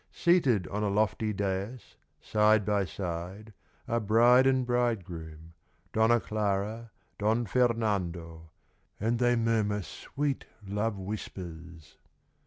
Seated on a lofty dais, Side by side, are bride and bridegroom, Donna Clara, Don Fernando, And they murmur sweet love whispers.